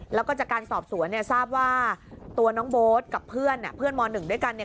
แล้วก็จากการสอบสวนเนี่ยทราบว่าตัวน้องโบ๊ทกับเพื่อนเพื่อนม๑ด้วยกันเนี่ย